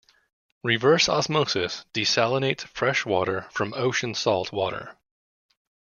Reverse osmosis desalinates fresh water from ocean salt water.